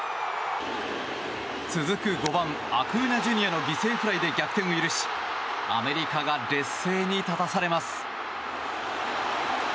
続く５番、アクーニャＪｒ．の犠牲フライで逆転を許しアメリカが劣勢に立たされます。